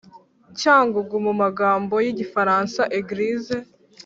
Cyangugu Mu magambo y Igifaransa Eglise